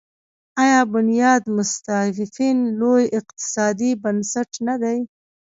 آیا بنیاد مستضعفین لوی اقتصادي بنسټ نه دی؟